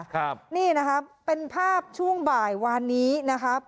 ครับนี่นะครับเป็นภาพช่วงบ่ายวานนี้นะครับ